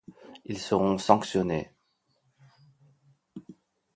Ils seront sanctionnés.